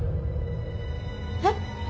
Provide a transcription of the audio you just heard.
えっ？